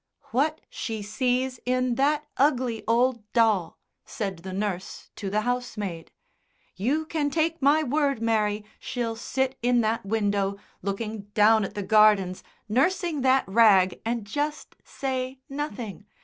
"What she sees in that ugly old doll!" said the nurse to the housemaid. "You can take my word, Mary, she'll sit in that window looking down at the gardens, nursing that rag and just say nothing.